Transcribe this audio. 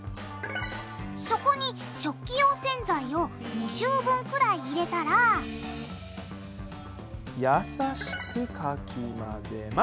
そこに食器用洗剤を２周分くらい入れたらやさしくかき混ぜます！